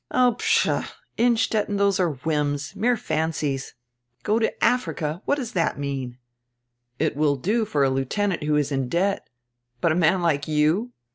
"Oh pshaw! Innstetten, those are whims, mere fancies. Go to Africa! What does that mean? It will do for a lieutenant who is in deht But a man like you!